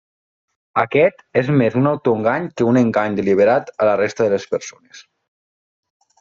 Aquest és més un autoengany que un engany deliberat a la resta de les persones.